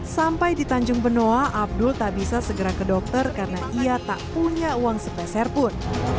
sampai di tanjung benoa abdul tak bisa segera ke dokter karena ia tak punya uang sepeserpun